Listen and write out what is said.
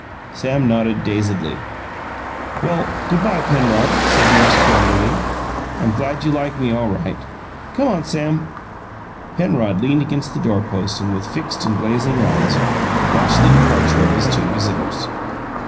Sam nodded dazedly. "Well, good bye, Penrod," said Maurice cordially. "I'm glad you like me all right. Come on, Sam." Penrod leaned against the doorpost and with fixed and glazing eyes watched the departure of his two visitors.